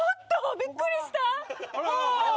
びっくりした。